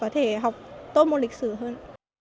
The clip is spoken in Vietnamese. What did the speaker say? thì học tốt môn lịch sử hơn